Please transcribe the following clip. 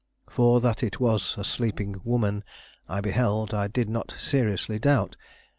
For that it was a sleeping woman I beheld, I did not seriously doubt.